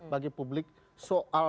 bagi publik soal